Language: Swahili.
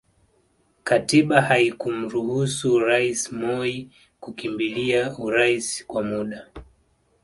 Katiba haikumruhusu Rais Moi kukimbilia urais kwa muda